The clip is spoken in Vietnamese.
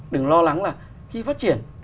đừng lo lắng là khi phát triển